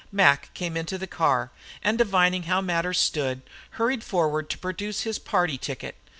Mac came into the car, and divining how matters stood, hurried forward to produce his party ticket.